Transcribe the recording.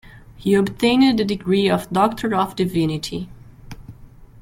He obtained the degree of Doctor of Divinity.